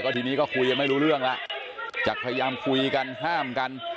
ทีนี้ก็คุยกันไม่รู้เรื่องแล้วจากพยายามคุยกันห้ามกัน